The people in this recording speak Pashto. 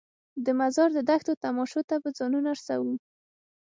د مزار د دښتو تماشو ته به ځانونه رسوو.